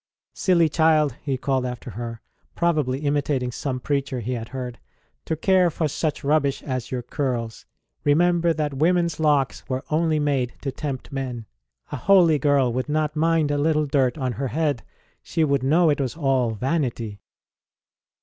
Silly child ! he called after her, probably imitating some preacher he had heard, to care for such rubbish as your curls. Remember that women s locks were only made to tempt men ! A 52 ST. ROSE OF LIMA holy girl would not mind a little dirt on her head she would know it was all vanity